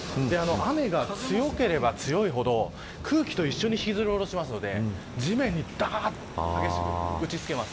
雨が強ければ強いほど空気と一緒に引きずり下ろしますので地面にざっと激しく打ちつけます。